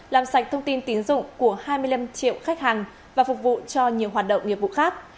làm sạch thông tin tín dụng của hai mươi năm triệu khách hàng và phục vụ cho nhiều hoạt động nghiệp vụ khác